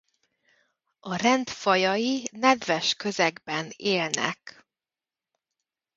A rend fajai nedves közegben élnek.